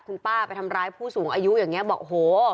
คุณป้าไปทำร้ายผู้สูงอายุอย่างนี้บอกโห